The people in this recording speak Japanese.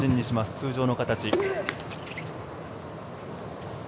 通常の形。